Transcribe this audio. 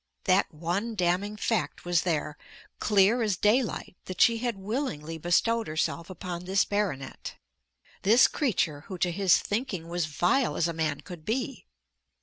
That one damning fact was there, clear as daylight, that she had willingly bestowed herself upon this baronet, this creature who to his thinking was vile as a man could be.